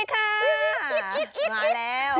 อิดมาแล้ว